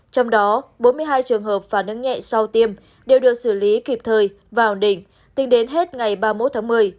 trong đó bốn mươi hai trường hợp phản ứng nhẹ sau tiêm đều được xử lý kịp thời và ổn định tính đến hết ngày ba mươi một tháng một mươi